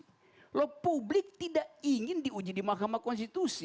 tapi kalau publik tidak ingin di uji di mahkamah konstitusi